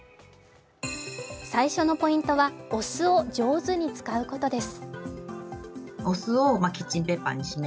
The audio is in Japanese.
最初のポイントは、お酢を上手に使うことです。